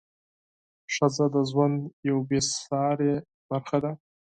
ښځه د ژوند یوه بې سارې برخه ده.